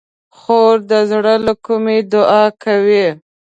خور د زړه له کومي دعا کوي.